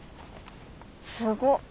すごっ。